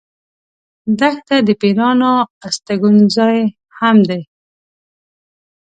دښته د پېرانو استوګن ځای هم دی.